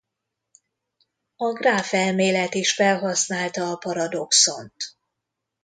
A gráfelmélet is felhasználta a paradoxont.